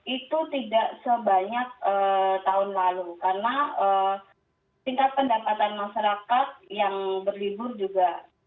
itu tidak sebanyak tahun lalu karena tingkat pendapatan masyarakat yang berlibur juga